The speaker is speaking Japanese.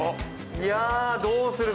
いやどうするべ。